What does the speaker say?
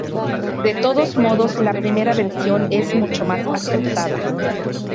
De todos modos, la primera versión es mucho más aceptada.